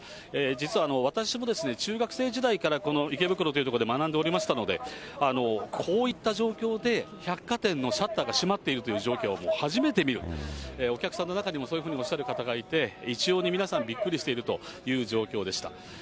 実は私も中学生時代から、この池袋という所で学んでおりましたので、こういった状況で、百貨店のシャッターが閉まっているという状況はもう初めて見る、お客さんの中でもそういうふうにおっしゃる方がいて、一様に皆さんびっくりしているという状況でした。